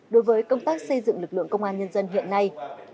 đối với công tác xây dựng lực lượng công an nhân dân hiện nay